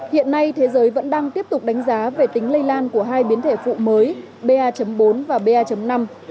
hiện nay thế giới vẫn đang tiếp tục đánh giá về tính lây lan của hai biến thể phụ mới ba bốn và ba năm